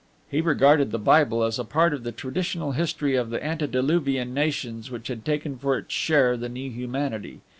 He regarded the Bible as a part of the traditional history of the antediluvian nations which had taken for its share the new humanity.